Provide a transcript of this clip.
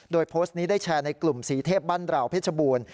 โดยโพสต์นี้ได้แชร์ในกลุ่มสีเทพบ้านเราเพชรบูรณ์